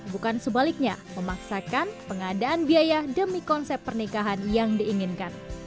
bukan sebaliknya memaksakan pengadaan biaya demi konsep pernikahan yang diinginkan